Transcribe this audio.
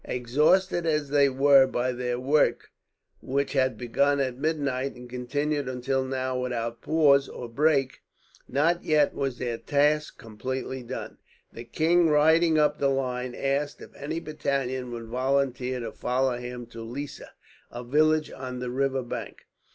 Exhausted as they were by their work, which had begun at midnight and continued until now without pause or break, not yet was their task completely done. The king, riding up the line, asked if any battalion would volunteer to follow him to Lissa, a village on the river bank.